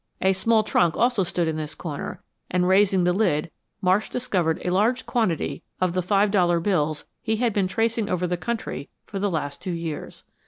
A small trunk also stood in this corner, and raising the lid Marsh discovered a large quantity of the five dollar bills he had been tracing over the country for the last two years.